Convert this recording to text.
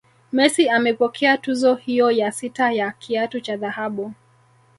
Messi amepokea tuzo hiyo ya sita ya kiatu cha dhahabu